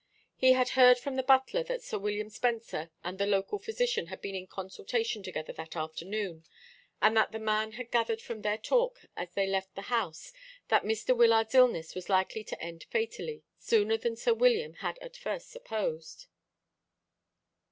He had heard from the butler that Sir William Spencer and the local physician had been in consultation together that afternoon, and that the man had gathered from their talk as they left the house that Mr. Wyllard's illness was likely to end fatally, sooner than Sir William had at first supposed.